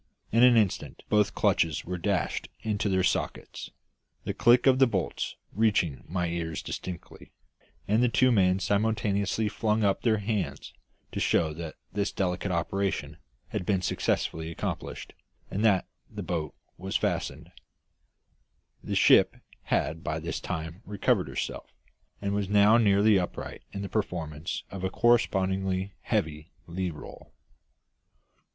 In an instant both clutches were dashed into their sockets the click of the bolts reaching my ears distinctly and the two men simultaneously flung up their hands to show that this delicate operation had been successfully accomplished, and that the boat was fast. The ship had by this time recovered herself, and was now nearly upright in the performance of a correspondingly heavy lee roll.